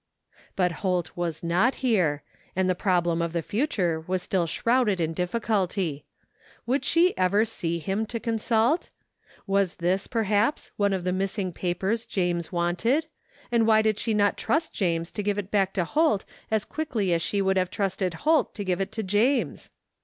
But Holt was not here, and the problem of the future was still shrouded in difficulty. Would she ever see him to consult? .Was this, perhaps, one of the missing papers James wanted, and why did she not trust James to give it back to Holt as quickly as she would have trusted Holt to give it to James?